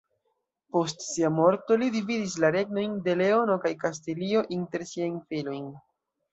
Post sia morto, li dividis la regnojn de Leono kaj Kastilio inter siajn filojn.